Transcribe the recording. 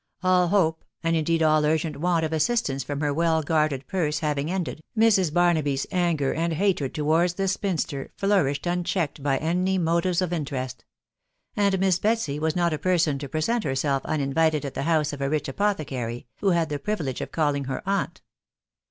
All hope, and indeed all urgent want of assistance* from her well guarded purse having ended, Mrs. Barnaby's anger and hatred towards the spinster, flourished unchecked, by any motives of interest ; and Miss Betsy was not a person to present herself uninvited at the house Of a rich apothecary, who had the privilege of calling her aunt.